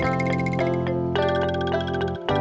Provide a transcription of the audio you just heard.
jangan terlalu menunda dan tetam